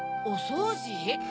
おそうじ？